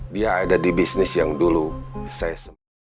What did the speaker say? dia ada di bisnis yang dulu saya sempat